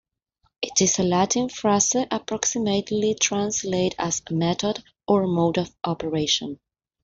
It is a Latin phrase, approximately translated as "method" or "mode" "of operation".